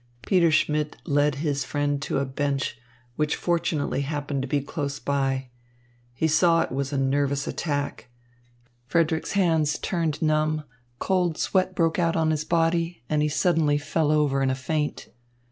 Peter Schmidt led his friend to a bench, which fortunately happened to be close by. He saw it was a nervous attack. Frederick's hands turned numb, cold sweat broke out on his body, and he suddenly fell over in a faint.